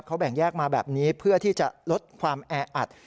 เขาแบ่งแยกมาแบบนี้เพื่อที่จะลดความแออัด